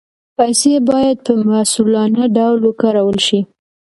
پیسې باید په مسؤلانه ډول وکارول شي.